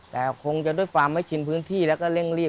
แต่คงจะด้วยความไม่ชินพื้นที่แล้วก็เร่งรีบ